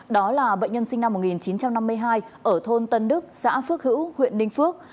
đó là bệnh nhân sinh năm một nghìn chín trăm năm mươi hai ở thôn tân đức xã phước hữu huyện ninh phước